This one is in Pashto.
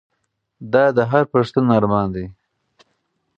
دا د هر پښتون ارمان دی.